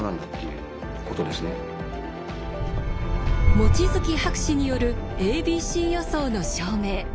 望月博士による「ａｂｃ予想」の証明